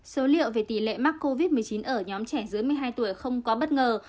số liệu về tỷ lệ mắc covid một mươi chín ở nhóm trẻ dưới một mươi hai tuổi không có bất ngờ